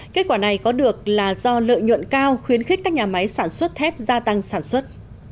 kết quả này có được là do lợi nhuận cao khuyến khích các nhà máy sản xuất thép gia tăng sản xuất